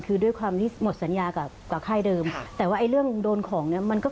คือด้วยความที่หมดสัญญากับค่ายเดิมแต่ว่าเรื่องโดนของ